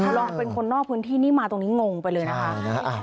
ลองเป็นคนนอกพื้นที่นี่มาตรงนี้งงไปเลยนะคะ